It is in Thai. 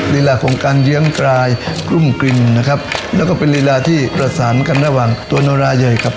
ลีลาของการเยื้องปลายกลุ้มกลิ่นนะครับแล้วก็เป็นลีลาที่ประสานกันระหว่างตัวโนราเยยครับ